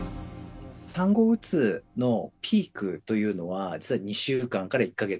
産後うつのピークというのは、実は２週間から１か月。